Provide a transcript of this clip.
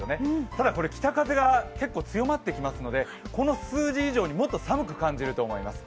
ただ、北風が結構強まってきますので、この数字以上にもっと寒く感じると思います。